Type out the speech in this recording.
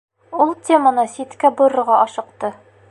Ул теманы ситкә борорға ашыҡты.